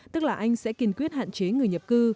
tức là anh sẽ kiên quyết hạn chế người nhập cư